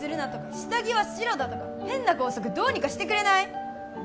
下着は白だとか変な校則どうにかしてくれない？